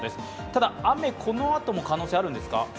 ただ、雨、このあとも可能性あるんですか？